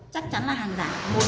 chắc chắn là hàng giả